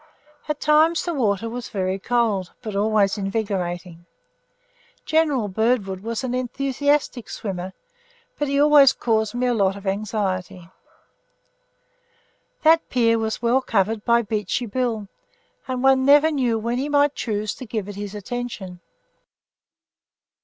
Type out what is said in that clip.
At times the water was very cold, but always invigorating. General Birdwood was an enthusiastic swimmer, but he always caused me a lot of anxiety. That pier was well covered by Beachy Bill, and one never knew when he might choose to give it his attention.